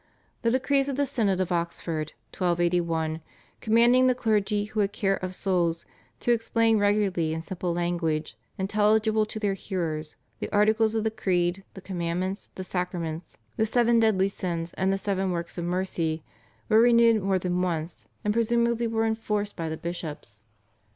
The decrees of the Synod of Oxford (1281), commanding the clergy who had care of souls to explain regularly in simple language, intelligible to their hearers the articles of the creed, the commandments, the sacraments, the seven deadly sins and the seven works of mercy, were renewed more than once, and presumably were enforced by the bishops.